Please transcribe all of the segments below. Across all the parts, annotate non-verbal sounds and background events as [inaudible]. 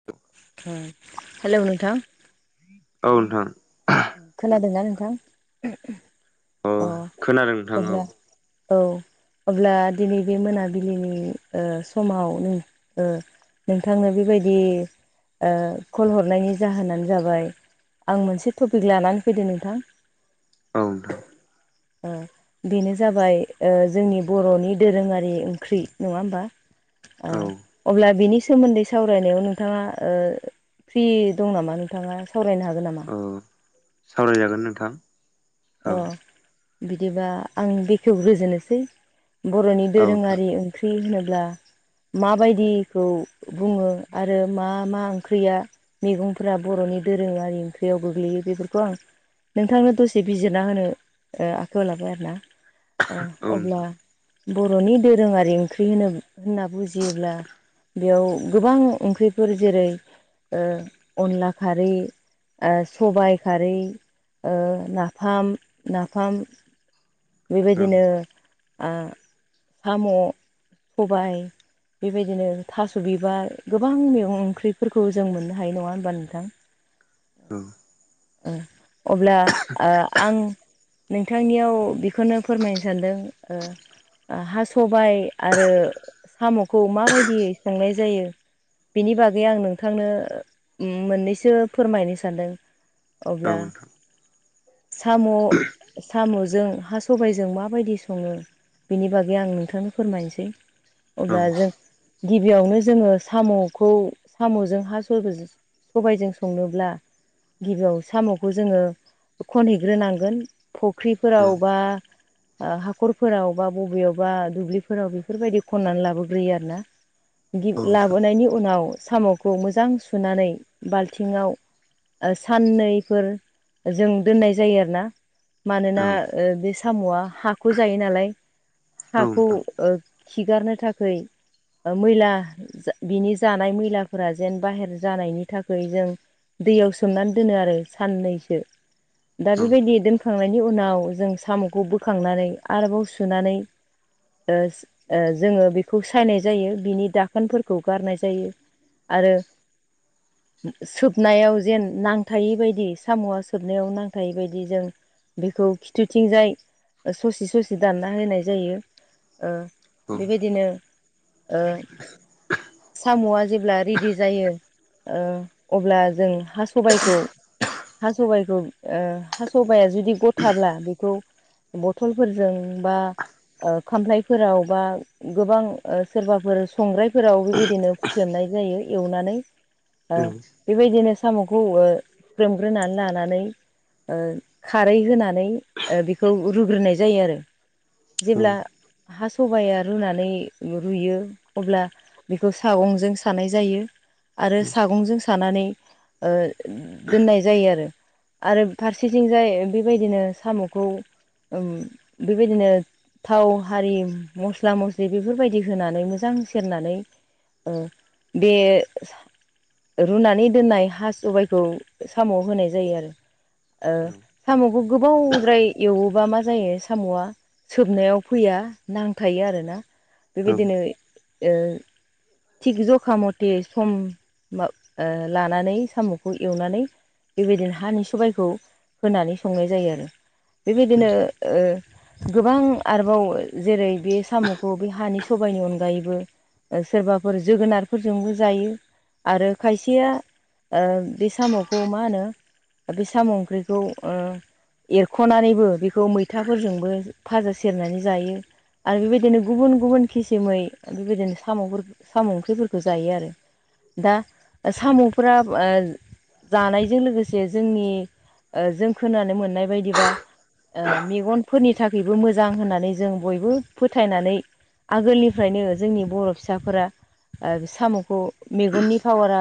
[unintelligible] Hello नोंथां औ नोंथां। खोनादोंना नोंथां अ खोनादों नोंथां औ अब्ला औ अब्ला दिनै बे मोनाबिलिनि ओ समाव नों ओ नोंथांनो बेबायदि ओ कल हरनायनि जाहोनानो जाबाय आं मोनसे टपिक लानानै फैदों नोंथां। औ नोंथां। ओ बेनो जाबाय ओ जोंनि बर'नि दोरोङारि ओंख्रि नङा होमबा। ओ औ अब्ला बिनि सोमोन्दै सावरायनायाव नोंथाङा ओ फ्रि दं नामा नोंथाङा सावरायनो हागोन नामा? औ सावरायजागोन नोंथां। अ औ बिदिबा आं बेखेवग्रोजोनोसै बर'नि औ नोंथां दोरोङारि ओं ख्रि होनोब्ला माबायदिखौ बुङो आरो मा मा ओंख्रिया मेगंफोरा बर'नि दोरोङारि ओंख्रियाव गोग्लैयो बेफोरखौ आं नोंथांनो दसे बिजिरना होनो ओ आखायाव लाबाय आरोना ओ औ अब्ला नोंथां बर'नि दोरोङारि ओंख्रि होनो होनना बुजियोब्ला बेयाव गोबां ओंख्रिफोर जेरै ओ अनला खारै ओ सबाय खारै ओ नाफाम नाफाम औ बेबायदिनो नोंथां आ साम' सबाय बेबायदिनो थास' बिबार गोबां मैगं ओंख्रिफोरखौ जों मोननो हायो नङा होनबा नोंथां। [unintelligible] औ औ अब ओ आं नोंथांनियाव बेखौनो फोरमायनो सानदों ओ हा सबाइ आरो साम'खौ माबायदियै संनाय जायो बिनि बागै आं नोंथांनो ओम मोननैसो फोरमायनो सानदों औ नोंथां औ अब्ला साम' साम'जों हास सबायजों माबायदि सङो बेनि बागै आं नोंथांनो फोरमायसै। अब्ला जों गिबियावनो जोङो साम'खौ साम'जों हा [unintelligible] सबायजों संनोब्ला गिबियाव साम'खौ जोङो खनहैग्रोनांगोन फुख्रिफोराव बा ओ हाखरफोराव बा बबेयावबा दुब्लिफोराव बेफोरबायदि खननानै लाबोग्रोयो आरो ना बिदि नोंथां औ लाबोनायनि उनाव साम' खौ मोजां सुनानै बाल्थिंआव साननै फोर जों दोननाय जायो आरो ना मानोना ओ बे साम'आ हाखौ जायो नालाय हाखौ औ खिगारनो थाखै मैला जा बिनि जानाय मैलाफोरा जेन बाहेर जानायनि थाखाय जों दैयाव सोमनानै दोनो आरो साननैसो दा औ बेबायदि दोनखांनायनि उनाव जों साम'खौ बोखांनानै आरोबाव सुनानै ओस ओ जोङो बेखौ सायनाय जायो बिनि दाखोनफोरखौ गारनाय जायो आरो सोबनायाव जेन नांथायै बायदि साम'आ सोब नायाव नांथाय बायदि जों बेखौ खिथुथिंजाय ससे ससे दानना होनाय जायो ओ औ बेबायदिनो ओ साम'आ जेब्ला रेडि जायो ओ अब्ला जों हा सबाइखौ सबाइखौ ओ हासबाइआ जुदि गथाब्ला बेखौ बथलफोरजों बा ओ खामफ्लायफोराव बा गोबां ओ सोरबाफोर संग्रायफोराव बेबायदिनो हुख्रेमनाय जायो एवनानै ओ अ हागोन बेबायदिनो साम'खौ ओ हुग्रेमग्रोनानै ला नानै ओ खारै होनानै ओ बेखौ रुग्रोनाय जायो आरो जेब्ला हा सबाया रुनानै रुयो अब्ला बेखौ सागंजों सानाय जायो आरो सागंजों सानानै ओ दोननाय जायो आरो आरो फारसेथिंजाय बेबायदिनो साम'खौ ओम बेबायदिनो थाव हारि मस्ला मस्लि बेफोरबायदि होनानै मोजां सेरनानै ओ बे सा रुनानै दोननाय हास सबाइखौ साम'आव होनाय जायो आरो ओ साम'खौ गोबावद्राय एवोबा मा जायो साम'आ सोबनायाव फैया नांथायो आरोना बेबायदिनो ओ थिग जखा मथे सम लानानै साम'खौ एवनानै बेबायदिनो हानि सबायखौ होनानै संनाय जायो आरो बेबायदिनो ओ गोबां आरोबाव जेरै बे साम'खौ बे हानि सबायनि अनगायैबो सोरबाफोर जोगोनारफोरजोंबो जायो आरो खायसेया बे साम'खौ मा होनो बे साम' ओंख्रिखौ ओ एरख'नानैबो बेखौ मैथाफोरजोंबो फाजा सेरनानै जायो। आरो बेबायदिनो गुबुन गुबुन खिसिमै बेबायदिनो साम' साम' ओंख्रिफोरखौ जायो आरो दा साम'फ जानायजों लोगोसे जोंनि जों खोनानो मोननाय बायदिबा मेगनफोरनि थाखायबो मोजां होननानै जों बयबो फोथायनानै आगोलनिफ्रायनो जोंनि बर' फिसाफोरा साम'खौ मेगननि पावारा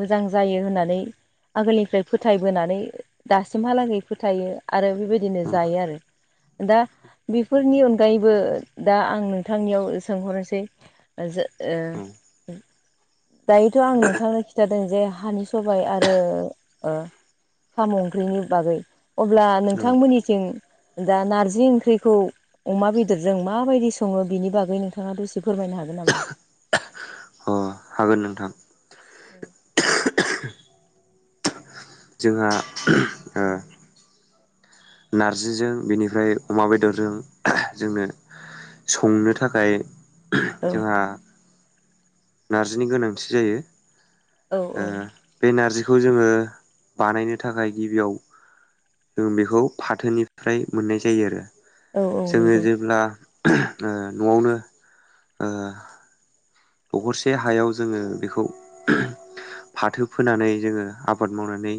मोजां जायो होननानै आगोलनिफ्राय फोथायबोनानै दासिमहालागै फोथायो आरो बेबायदिनो जायो आरो दा बेफोरनि अनगायैबो दा आं नोंथांनियाव सोंहरनोसै [unintelligible] दायोथ' आं नोंथांनो खिन्थादों जे हानि सबाय आरो ओ साम' ओंख्रिनि बागै अब्ला नोंथांमोननि थिं दा नारजि ओंख्रिखौ अमा बेदरजों माबायदि सङो बिनि बागै नोंथाङा दसे फोरमायनो हागोन नामा? हागोन नोंथां औ जोंहा नारजिजों बेनिफ्राय अमा बेदरजों जोंनो संनो थाखाय औ जोंहा नारजिनि गोनांथि जायो औ औ बे नारजिखौ जोङो बानायनो थाखाय गिबियाव जों बेखौ फाथोनिफ्राय मोननाय जायो आरो औ औ जोङो नंगौ जेब्ला न'आवनो दखरसे हायाव जोङो बेखौ फाथो फोनानै जोङो आबाद मावनानै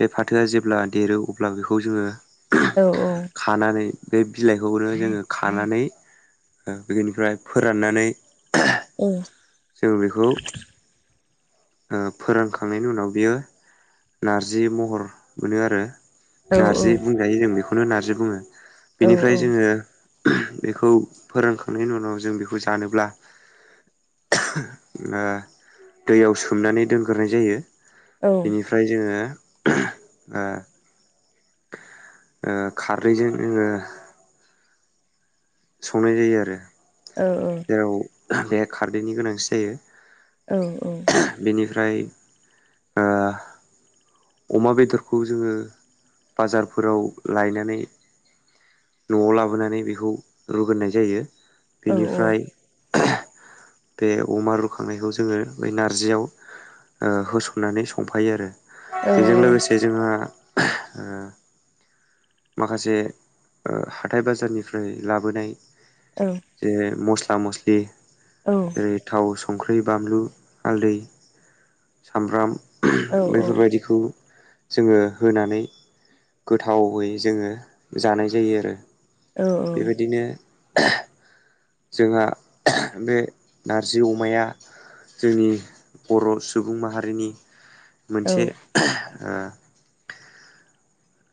बे फाथोआ जेब्ला देरो अब्ला बेखौ जोङो औ औ खानानै बे बिलाइखौनो जोङो खानानै बेनिफ्राय फोराननानै औ जों बेखौ फोरोंखांनायनि उनाव बियो नारजि महर मोनो आरो औ नारजि बुंजायो जों बेखौनो नानारजि बुङो औ बेनिफ्राय जोङो बेखौ फोरोंखांनायनि उनाव जों बेखौ जानोब्ला दैयाव सोमनानै दोनग्रोनाय जायो औ बेनि ओमफ्राय जोङो खारैजों जोङो संनाय जायो आरो औ औ जेराव बे खारदैनि गोनांथि जायो औ औ बेनिफ्राय अमा बेदरखौ जोङो बाजारफोराव लायनानै न'आव लाबोनानै बेखौ रुगोनाय जायो बेनिफ्राय बे अमा रुखांनायखौ जोङो ब नारजियाव होसननानै संफायो आरो औ बेजों लोगोसे जोंहा माखासे हाथाय बाजारनिफ्राय लाबोनाय औ ज मस्ला मस्लि औ जेरै थाव संख्रि बानलु हालदै सामब्राम बेफोरबायदिखौ जोङो होनानै गोथावै जोङो जानाय जायो आरो बेबायदिनो जोंहा बे नारजि अमाया जोंनि बर' सुबुं माहारिनि मोनसे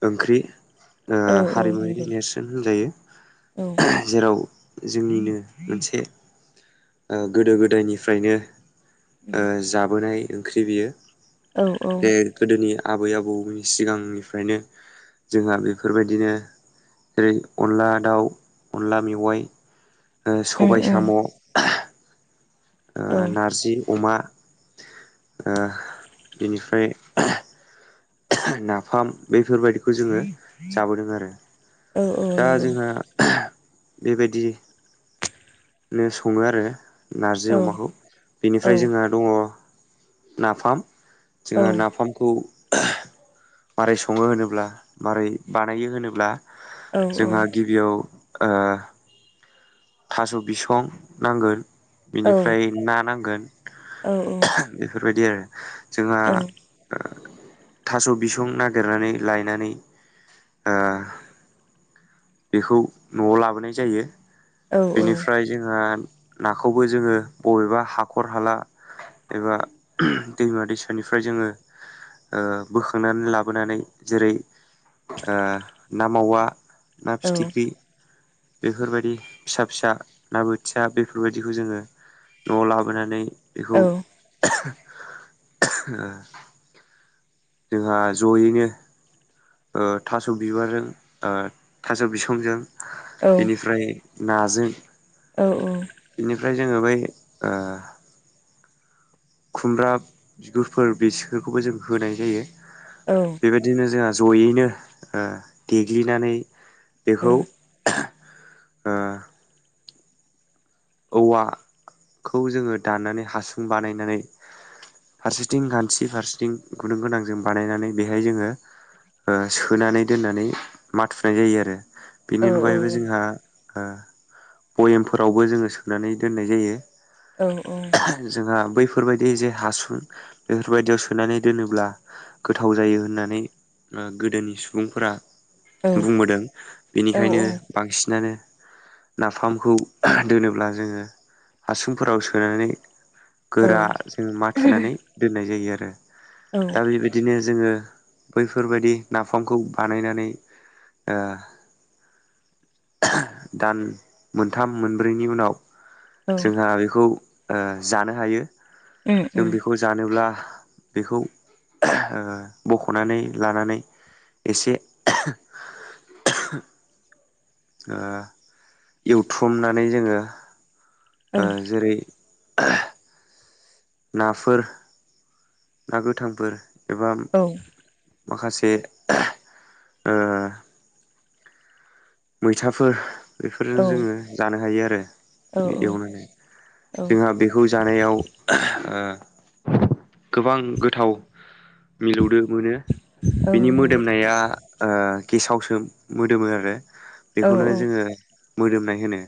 ओंख्रि हारिमुनि नेरसोन होनजायो जेराव जोंनिनो मोनसे गोदो गोदायनिफ्रायनो जाबोनाय ओंख्रि बियो बे गोदोनि आबै आबौनि सिगांनिफ्रायनो जोंहा बेफोरबायदिनो जेरै अनला दाउ अनला मेवाइ उम सबाय उम साम' औ औ नारजि अमा बेनिफ्राय नाफाम बेफोरबायाददिखौ जोङो जाबोदों आरो औ दा नंगौ औ औ जोंहा बेबायदिनो सङो आरो नारजि अमाखौ बेनिफ्राय जोंहा दङ नाफाम जोङहा नाफामखौ माबोरै सङो होनोब्ला, माबारै बानायो होनोब्ला औ जोंहा गिबियाव ओ थास' बिसं नांगोन बिनिफ्राय ना नांगोन। औ औ। बेफोरबायदि आरो जोंहा थास' बिसं नागिरनानै लायनानै ओ बेखौ न'आव लाबोनाय जायो। अ ओ आदसा बेनिफ्राय जोंहा नाखौबो जोङो बबेबा हाखर हाला एबा दैमा दैसानिफ्राय जोङो ओ बोखांनानै लाबोनानै जेरै ओ ना मावा ना फिथिख्रि बेफोरबायदि फिसा फिसा ना बोथिया बेफोरबायदिखौ जोङो न'आव लाबोनानै बेखौ जोंहा जयैनो ओ थास' बिबारजों, ओ थास' बिसंजों बेनिफ्राय नाजों औ औ। बिनिफ्राय जोङो बै ओ खुमब्रा बिगुरफोर बेसोरखौबो जों होनाय जायो। औ। बेबायदिनो जोंहा जयैनो ओ देग्लिनानै बेखौ ओ ओ औवाखौ जोङो दाननानै हासुं बानायनानै फारसेथिं गानथि फारसेथिं गुदुं गोनां बानायनानै बेहाय जोङो ओ सोनानै दोननानै माथुनाय जायो आरो। बेनि अनगायैबो जोंहा भयेमफोरावबो जोङो सोनानै दोननाय जायो। औ औ। जोंहा बैफोरबायदि जे हासुं बेफोरबायदियाव सोनानै दोनोब्ला गोथाव जायो होननानै ओ गोदोनि सुबुंफोरा बुंबोदों बेनिखायनो बांसिनानो नाफामखौ दोनोब्ला जोङो हासुंफोराव सोनानै गोरा जों माथुनानै दोननाय जायो आरो। दा बेबा दिनो जोङो बैफोरबायदि नाफामखौ बानायनानै ओ दान मोनथाम मोनब्रैनि उनाव जोंहा बेखौ ओ जानो हायो। जों बेखौ जानोब्ला बेखौ ओ बख'नानै लानानै एसे ओ एवथ्रमनानै जोङो ओ जेरै नाफोर, ना गोथांफोर एबा औ। माखासे ओ मैथाफोर बेफोरजों जोङो जानो हायो आरो। बिदि एवनाय जायो। जोंहा बे खौ जानायाव ओ गोबां गोथाव मिलौदो मोनो। बिनि मोदोमनाया ओ गेसावसो मोदोमो आरो। बेखौनो जोङो मोदोमनाय होनो।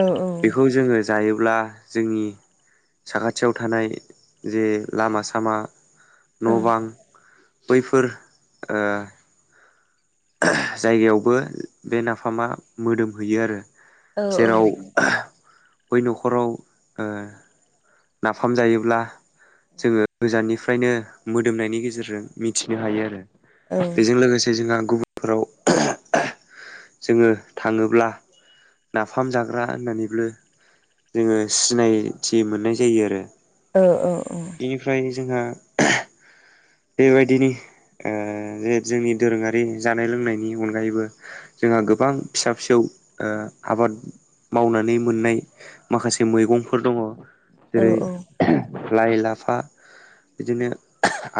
औ औ। बेखौ जोङो जायोब्ला जोंनि साखाथियाव थानाय जे लामा सामा न' बां बैफोर ओ [unintelligible] जायगायावबो बे नाफामा मोदोमहोयो आरो जेराव [unintelligible] बै न'खराव ओ नाफाम जायोब्ला जोङो गोजाननिफ्रायनो मोदोमनायनि गेजेरजों मिथिनो हायो आरो। बेजों लोगोसे जोंहा गुबुनफोराव जोंङो थांङोब्ला नाफाम जाग्रा होननानैबो जोंङो सिनायथि मोननाय जायो आरो। ओ ओ औ बेनिफ्राय जोंहा बेबायदिनि ओ जे जोंनि दोरोङारि जानाय लोंनायनि अनगायैबो जोंहा गोबां फिसा फिसौ ओ आबाद मावनानै मोननाय माखासे मैगंफोर दंङ। जेरै लाइ-लाफा बिदिनो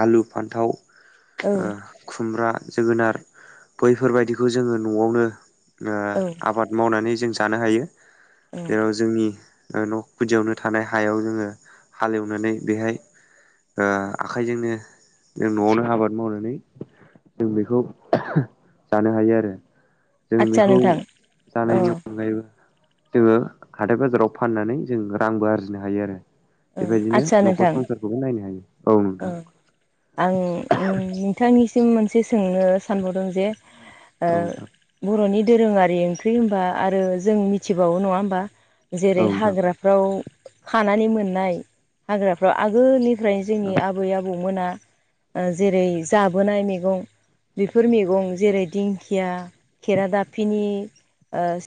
आलु, फान्थाव ओ खुमब्रा, जोगोनार बैफोरबायदिखौ जोंङो न'आवनो ओ आबाद मावनानै जों जानो हायो जेराव जोंनि न' खुदियावनो थानाय हायाव जोंङो हालेवनानै बेहाय ओ आखाइजोंनो जों न'आवनो आबाद मावनानै जों बेखौ जानो हायो आरो। जों बेखौ जानायनि अनगायैबो जोंङो हाथाय बाजाराव फाननानै जों रांबो आरजिनो हायो आरो। बेबायदिनो न'खर संसारखौबो नायनो हायो औ नोंथां। आं नोंथांनिसिम मोनसे सोंनो सानबावदों जे ओ औ नोंथां बर'नि दोरोङारि ओंख्रि होनबा आरो जों मिथिबावो नंङा होमबा औ जेरै नोंथां हाग्रा फ्राव खानानै मोननाय हाग्राफ्राव आगोलनिफ्राय जोंनि औ आबै आबौमोना जेरै जाबोनाय मैगं बेफोर मैगं जेरै दिंखिया, खेरादाफिनि ओ